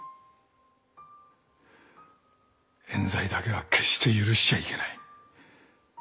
えん罪だけは決して許しちゃいけない。